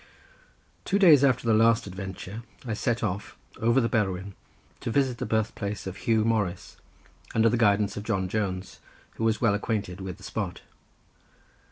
Two days after the last adventure I set off, over the Berwyn, to visit the birth place of Huw Morris under the guidance of John Jones, who was well acquainted with the spot.